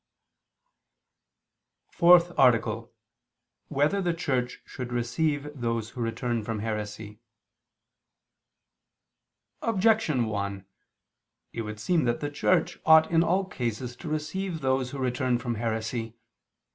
_______________________ FOURTH ARTICLE [II II, Q. 11, Art. 4] Whether the Church Should Receive Those Who Return from Heresy? Objection 1: It would seem that the Church ought in all cases to receive those who return from heresy.